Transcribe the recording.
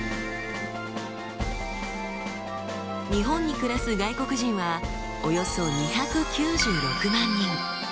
日本に暮らす外国人はおよそ２９６万人。